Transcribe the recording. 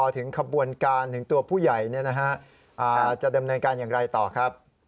ถึงขบวนการถึงตัวผู้ใหญ่จะดำเนินการอย่างไรต่อครับ